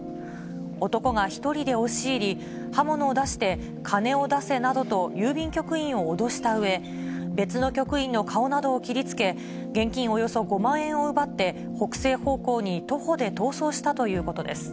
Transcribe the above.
男が１人で押し入り、刃物を出して金を出せなどと郵便局員を脅したうえ、別の局員の顔などを切りつけ、現金およそ５万円を奪って、北西方向に徒歩で逃走したということです。